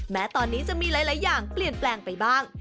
แม้ตอนนี้จะมีหลายอย่างเปลี่ยนแปลงไปบ้าง